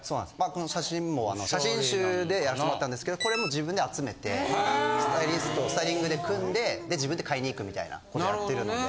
この写真も写真集でやらしてもらったんですけどこれも自分で集めてスタイリングで組んで自分で買いに行くみたいなことやってるので。